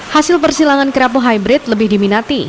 hasil persilangan kerapu hybrid lebih diminati